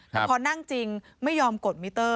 แต่พอนั่งจริงไม่ยอมกดมิเตอร์